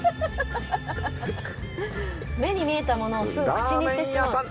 目に見えたものをすぐ口にしてしまう。